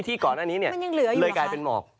ก่อนหน้านี้เลยกลายเป็นหมอก